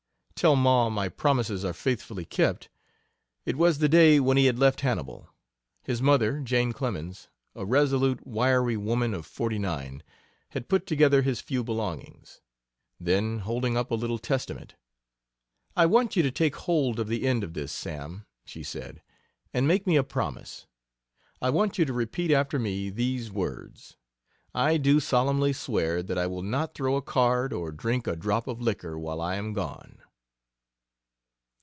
"Tell Ma my promises are faithfully kept." It was the day when he had left Hannibal. His mother, Jane Clemens, a resolute, wiry woman of forty nine, had put together his few belongings. Then, holding up a little Testament: "I want you to take hold of the end of this, Sam," she said, "and make me a promise. I want you to repeat after me these words: 'I do solemnly swear that I will not throw a card, or drink a drop of liquor while I am gone.'"